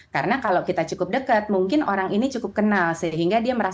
karena kalau kita cukup dekat mungkin orang ini cukup kenal sehingga dia merasa